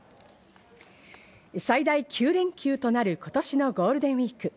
最大９連休となる今年のゴールデンウイーク。